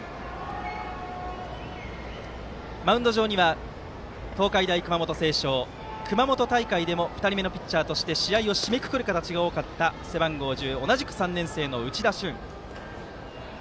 マウンド上には東海大熊本星翔熊本大会でも２人目のピッチャーとして試合を締めくくる形が多かった背番号１０同じく３年生の内田駿。